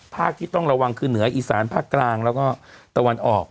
ที่ต้องระวังคือเหนืออีสานภาคกลางแล้วก็ตะวันออก